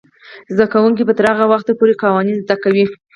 زده کوونکې به تر هغه وخته پورې قوانین زده کوي.